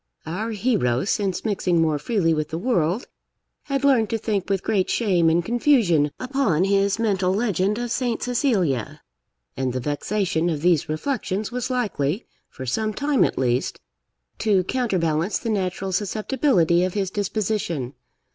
Our hero, since mixing more freely with the world, had learned to think with great shame and confusion upon his mental legend of Saint Cecilia, and the vexation of these reflections was likely, for some time at least, to counterbalance the natural susceptibility of his disposition.